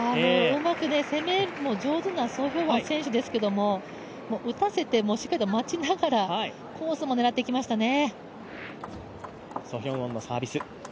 攻めも上手なソ・ヒョウォン選手ですけれども、打たせて、しっかりと待ちながらコースも狙ってきましたね。